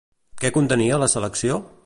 Què contenia la selecció?